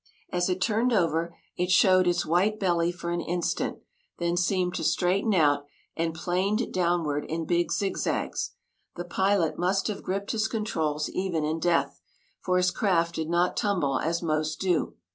As it turned over, it showed its white belly for an instant, then seemed to straighten out, and planed downward in big zigzags. The pilot must have gripped his controls even in death, for his craft did not tumble as most do.